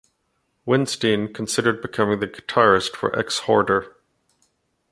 Windstein considered becoming the guitarist for Exhorder.